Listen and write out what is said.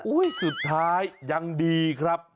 สุดท้ายยังดีครับ